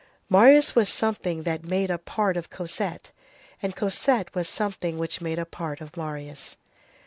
—Marius was something that made a part of Cosette, and Cosette was something which made a part of Marius.